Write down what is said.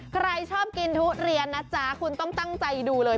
ใครชอบกินทุเรียนนะจ๊ะคุณต้องตั้งใจดูเลย